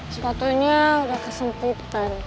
sepatunya udah kesempitan